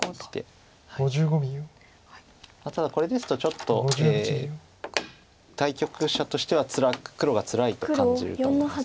ただこれですとちょっと対局者としては黒がつらいと感じると思います。